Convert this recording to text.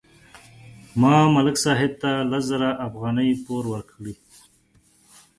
ما ملک صاحب ته لس زره افغانۍ پور ورکړې.